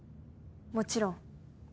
もちろん。